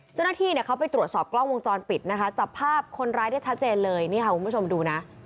เจ้าหน้าที่เนี่ยเขาไปตรวจสอบกล้องวงจรปิดนะคะจับภาพคนร้ายได้ชัดเจนเลยนี่ค่ะคุณผู้ชมดูนะ